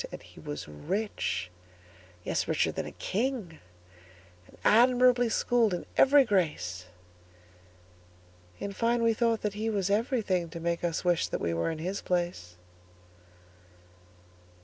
And he was rich,—yes, richer than a king,—And admirably schooled in every grace:In fine, we thought that he was everythingTo make us wish that we were in his place.